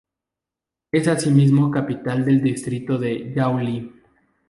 Es asimismo capital del distrito de Yauli.